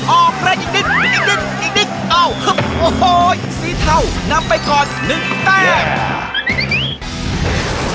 อ๋อออกเลยอีกนึงอีกนึงอีกนึงออโฮ้สีเท่านำไปก่อนนึงแต้ง